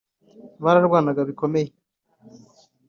bararwanaga bikomeye”